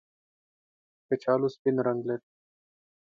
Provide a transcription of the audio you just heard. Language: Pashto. کچالو سپین رنګ لري